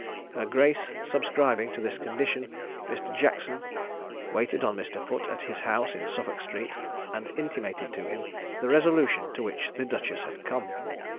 Her grace subscribing to this condition, Mr. Jackson waited on Mr. Foote at his house in Suffolk street, and intimated to him the resolution to which the duchess had come.